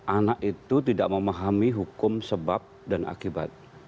anak itu tidak memahami hukum sebab dan akibat